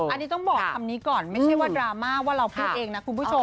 อันนี้ต้องบอกคำนี้ก่อนไม่ใช่ว่าดราม่าว่าเราพูดเองนะคุณผู้ชม